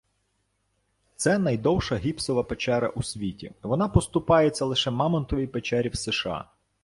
Це найдовша гіпсова печера у світі, вона поступається лише Мамонтовій печері в США